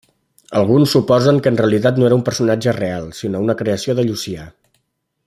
Alguns suposen que en realitat no era un personatge real sinó una creació de Llucià.